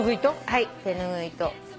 はい手拭いと。